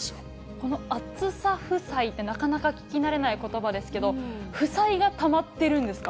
この暑さ負債ってなかなか聞き慣れないことばですけれども、負債がたまってるんですか？